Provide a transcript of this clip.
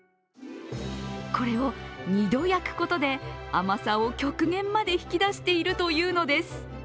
これを２度焼くことで甘さを極限まで引き出しているというのです。